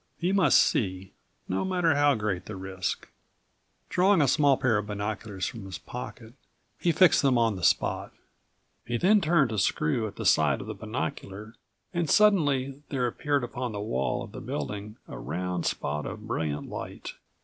He must see, no matter how great the risk. Drawing a small pair of binoculars from his pocket, he fixed them on the spot. He then41 turned a screw at the side of the binocular and suddenly there appeared upon the wall of the building a round spot of brilliant light.